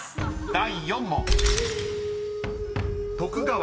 ［第４問］